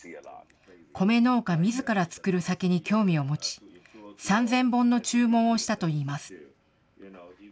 米農家みずから造る酒に興味を持ち、３０００本の注文をしたといいます。